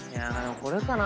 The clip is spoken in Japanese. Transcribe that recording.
これかな？